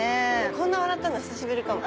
こんな笑ったの久しぶりかも。